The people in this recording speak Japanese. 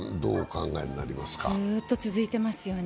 ずーっと続いていますよね。